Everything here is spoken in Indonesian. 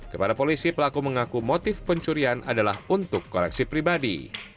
kepada polisi pelaku mengaku motif pencurian adalah untuk koleksi pribadi